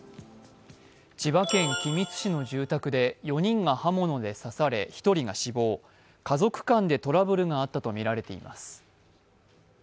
千葉県君津市の住宅で４人が刃物で刺され、１人が死亡、家族間でトラブルがあったとみられています。